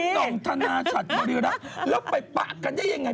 ต่องธนาชัดบริรักษ์แล้วไปปะกันได้ยังไง